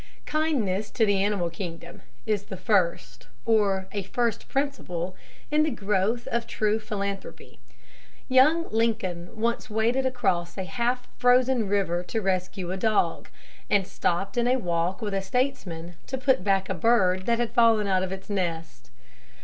Kindness to the animal kingdom is the first, or a first principle in the growth of true philanthropy. Young Lincoln once waded across a half frozen river to rescue a dog, and stopped in a walk with a statesman to put back a bird that had fallen out of its nest.